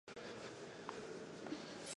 کسبګر د خدای نږدې ملګری وي.